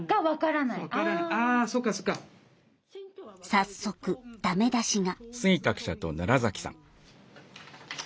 早速、ダメ出しが。